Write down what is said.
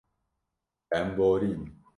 Em borîn.